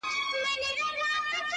خوبيا هم ستا خبري پټي ساتي؛